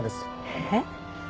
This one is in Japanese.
えっ？